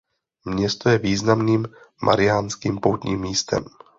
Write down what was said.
Město je významným mariánským poutním místem.